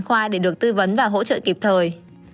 khoa để được tư vấn và hỗ trợ kịp thời